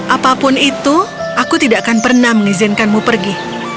apapun itu aku tidak akan pernah mengizinkanmu pergi